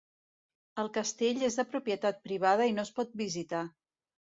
El castell és de propietat privada i no es pot visitar.